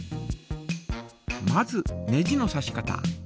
まずネジのさし方。